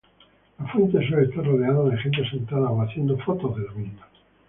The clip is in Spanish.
La fuente suele estar rodeada de gente sentada o haciendo fotos de la misma.